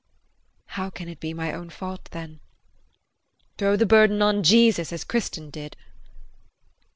How can it be my own fault then? Throw the burden on Jesus as Kristin did?